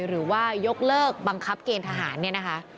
หรือว่ายกเลิกบังคับเกณฑหารเนี่ยนะคะ